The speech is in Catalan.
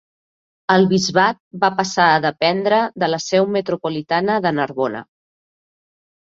El bisbat va passar a dependre de la seu metropolitana de Narbona.